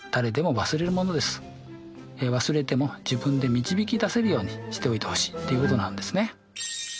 忘れても自分で導き出せるようにしておいてほしいということなんですね。